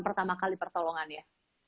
pertama kali pertolongan ya